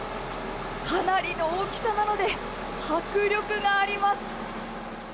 かなりの大きさなので迫力があります。